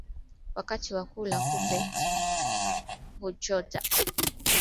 Wakati wa kula kupe huchota vimelea vya ugonjwa wa ndigana kutoka kwa mnyama aliyeathirika